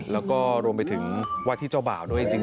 แล้วก็รวมไปถึงว่าที่เจ้าบ่าวด้วยจริง